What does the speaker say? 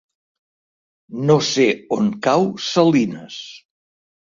No sé on cau Salines.